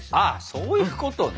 そういうことね。